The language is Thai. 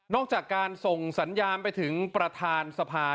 จากการส่งสัญญาณไปถึงประธานสภา